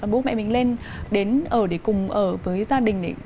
bố mẹ mình lên đến ở để cùng ở với gia đình